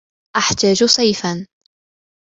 أحتاج سيفا.